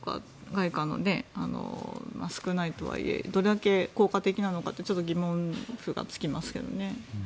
外貨の少ないとはいえどれだけ効果的なのかってちょっと疑問符がつきますけどね。